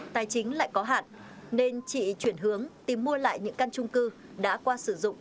tài chính lại có hạn nên chị chuyển hướng tìm mua lại những căn trung cư đã qua sử dụng